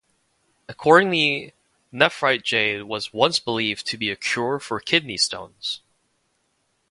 Accordingly, nephrite jade was once believed to be a cure for kidney stones.